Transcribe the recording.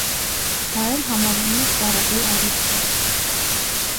Դա էլ համարվում է սպառողի ավելցուկ։